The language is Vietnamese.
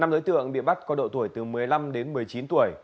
năm đối tượng bị bắt có độ tuổi từ một mươi năm đến một mươi chín tuổi